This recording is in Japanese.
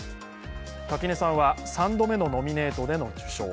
垣根さんは３度目のノミネートでの受賞。